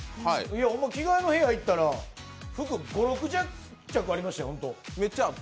着がえの部屋入ったら、服、５６着ありましたよ。